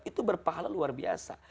itu berpahala luar biasa